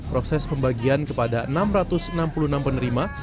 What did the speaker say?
proses pembagian kepada enam ratus enam puluh enam penerima